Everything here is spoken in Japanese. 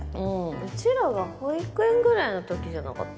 うちらが保育園ぐらいの時じゃなかった？